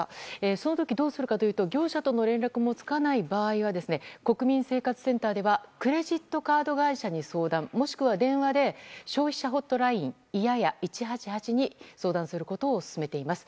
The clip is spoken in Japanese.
その時どうするかというと業者との連絡もつかない場合は国民生活センターではクレジットカード会社に相談もしくは電話で消費者ホットライン「１８８」に相談することを勧めています。